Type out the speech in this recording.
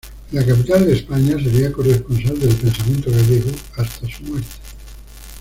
En la capital de España sería corresponsal de "El Pensamiento Gallego" hasta su muerte.